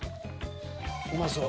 うまそう。